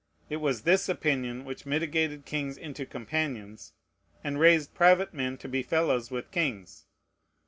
It was this opinion which mitigated kings into companions, and raised private men to be fellows with kings.